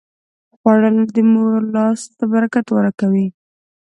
خوړل د مور لاس ته برکت ورکوي